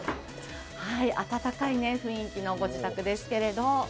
温かい雰囲気のご自宅ですけれど。